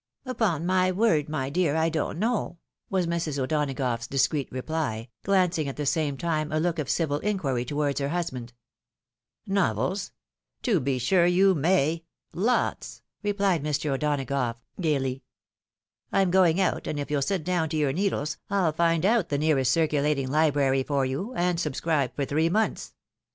" Upon my word, my dear, I don't know," was Mrs. O'Donagough's discreet reply, glancing at the same time a look of civil inquiry towards her husband. " Novels? — To be sure you may ; lots," rephedMr. O'Dona gough, gaily. " I'm going out, and if you'll sit down to your needles, I'll find out the nearest circulating library for you, and subscribe for three months."